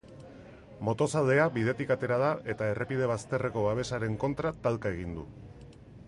Motozalea bidetik atera da eta errepide bazterreko babesaren kontra talka egin du.